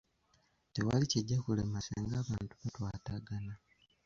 Tewali kijja kulema singa abantu batwatagana.